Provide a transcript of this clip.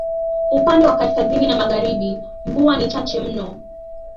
Upande wa kaskazini na magharibi mvua ni chache mno